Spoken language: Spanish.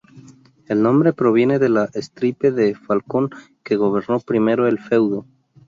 El nombre proviene de la estirpe de Falcone que gobernó primero el feudo.